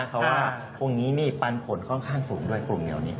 เพราะว่าพวกนี้ปันผลค่อนข้างสูงด้วยกลุ่มเหนียวนี้